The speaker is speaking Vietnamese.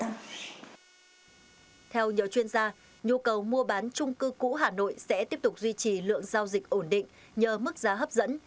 mua bán trung cư cũ hà nội sẽ tiếp tục duy trì lượng giao dịch ổn định nhờ mức giá hấp dẫn